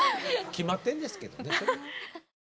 決まってんですけどね。